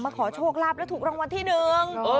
ขอโชคลาภและถูกรางวัลที่หนึ่ง